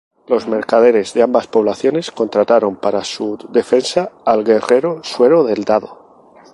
Los mercaderes de ambas poblaciones contrataron para su defensa al guerrero Suero del Dado.